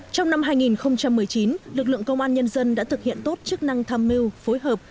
trong năm hai nghìn một mươi chín lực lượng công an nhân dân đã thực hiện tốt chức năng tham mưu phối hợp